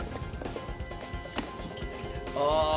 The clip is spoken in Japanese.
ああ！